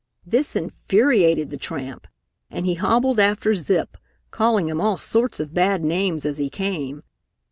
This infuriated the tramp and he hobbled after Zip, calling him all sorts of bad names as he came.